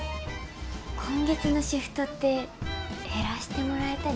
今月のシフトって減らしてもらえたり。